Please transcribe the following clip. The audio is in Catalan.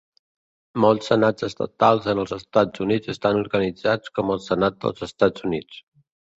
Molts senats estatals en els Estats Units estan organitzats com el Senat dels Estats Units.